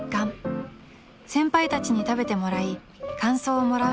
［先輩たちに食べてもらい感想をもらうのです］